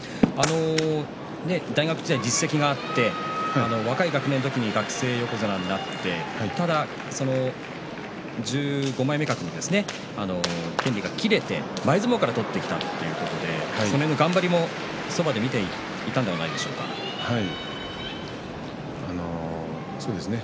大学時代、実績があって若い学年の時に学生横綱になってただ１５枚目格の権利が切れて前相撲から取ってきたということでその辺の頑張りもそばではい、そうですね。